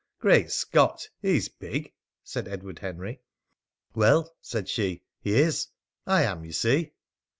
"Great Scott! He's big!" said Edward Henry. "Well," said she, "he is. I am, you see."